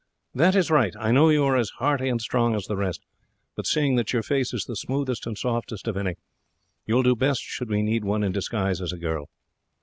"That is right. I know you are as hearty and strong as the rest; but seeing that your face is the smoothest and softest of any, you will do best should we need one in disguise as a girl.